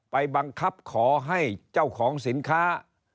ไปบังคับขอให้เจ้าของสินค้า